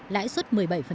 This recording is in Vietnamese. lãi xuất một mươi bảy